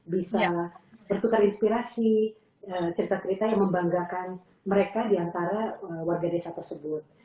bisa bertukar inspirasi cerita cerita yang membanggakan mereka diantara warga desa tersebut